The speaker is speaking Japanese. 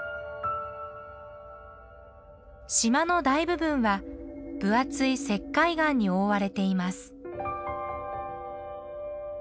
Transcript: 島の大部分は分厚い石灰岩に覆われています。